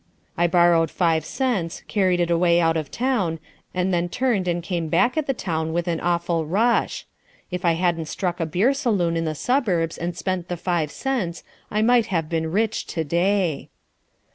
I borrowed five cents, carried it away out of town, and then turned and came back at the town with an awful rush. If I hadn't struck a beer saloon in the suburbs and spent the five cents I might have been rich to day.